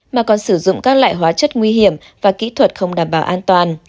mà còn sử dụng các loại hóa chất nguy hiểm và kỹ thuật không đảm bảo an toàn